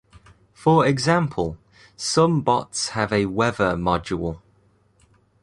For example, some bots have a 'weather' module.